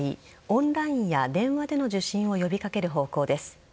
オンラインや電話での受診を呼び掛ける方向です。